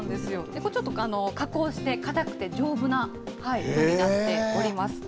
これ、ちょっと加工して、かたくて丈夫なになっております。